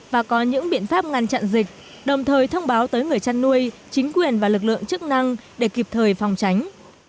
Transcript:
và có những biện pháp ngăn chặn dịch đồng thời thông báo tới người chăn nuôi chính quyền và lực lượng chức năng để kịp thời phòng tránh